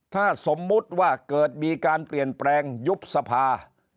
ถ้าสมมุติว่าเกิดมีการเปลี่ยนแปลงยุบสภา